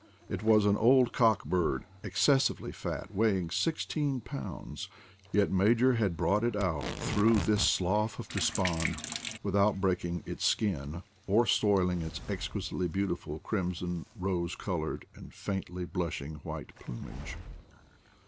It was an old cock bird, excessively fat, weighing sixteen pounds, yet Major had brought it out through this slough of despond without breaking its skin, or soiling its exquisitely beauti ful crimson, rose colored, and faintly blushing white plumage